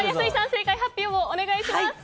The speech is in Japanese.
正解発表をお願いします。